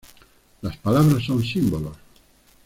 Las palabras son símbolos.